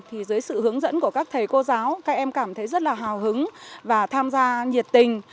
thì dưới sự hướng dẫn của các thầy cô giáo các em cảm thấy rất là hào hứng và tham gia nhiệt tình